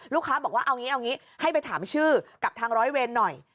ลูกค้าบอกว่าเอางี้เอางี้ให้ไปถามชื่อกับทางร้อยเวรหน่อย